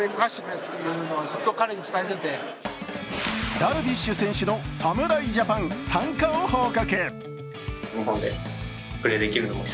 ダルビッシュ選手の侍ジャパン参加を報告。